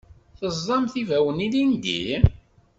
Teẓẓamt ibawen ilindi?